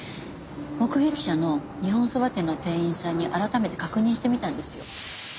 目撃者の日本そば店の店員さんに改めて確認してみたんですよ。